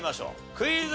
クイズ。